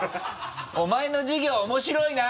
お前の授業面白いな！